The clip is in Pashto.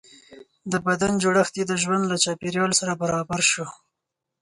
د بدن جوړښت یې د ژوند له چاپېریال سره برابر شو.